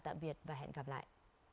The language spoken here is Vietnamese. cảm ơn quý vị đã theo dõi và hẹn gặp lại